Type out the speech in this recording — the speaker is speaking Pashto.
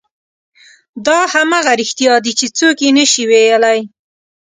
دا همغه رښتیا دي چې څوک یې نه شي ویلی.